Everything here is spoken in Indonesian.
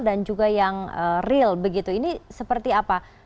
dan juga yang real begitu ini seperti apa